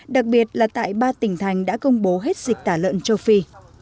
đặc biệt là tại ba tỉnh thành đã công bố hết dịch tả lợn châu phi